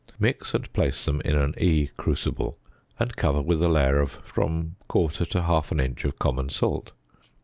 Mix and place them in an E crucible, and cover with a layer of from a quarter to half an inch of common salt.